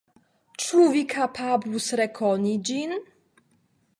Ĉu Vi kapablus rekoni ĝin?